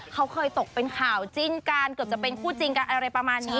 เขาเคยตกเป็นข่าวจิ้นกันเกือบจะเป็นคู่จริงกันอะไรประมาณนี้